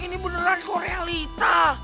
ini beneran korealita